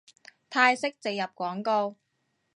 泰式植入廣告